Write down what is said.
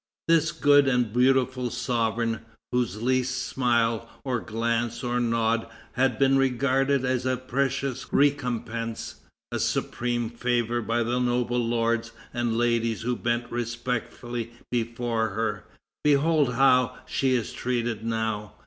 This good and beautiful sovereign, whose least smile, or glance, or nod, had been regarded as a precious recompense, a supreme favor by the noble lords and ladies who bent respectfully before her, behold how she is treated now!